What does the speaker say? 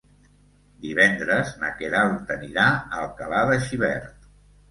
Divendres na Queralt anirà a Alcalà de Xivert.